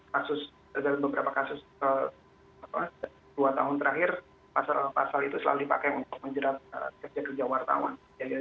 karena dalam beberapa kasus dua tahun terakhir pasal pasal itu selalu dipakai untuk menjelaskan kerja kerja wartawan